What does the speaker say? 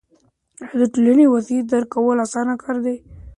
آیا د ټولنیز وضعیت درک کول اسانه کار دی؟